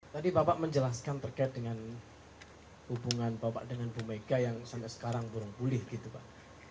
tadi bapak menjelaskan terkait dengan hubungan bapak dengan bumeka yang sampai sekarang burung bulih gitu pak